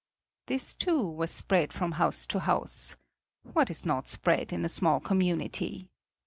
This too was spread from house to house. What is not spread in a small community?